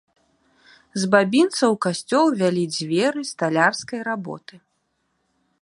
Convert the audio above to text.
З бабінца ў касцёл вялі дзверы сталярскай работы.